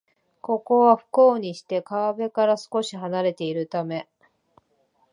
ここは、不幸にして川辺から少しはなれているため